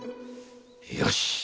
よし！